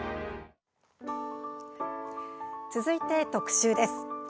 続いて特集です。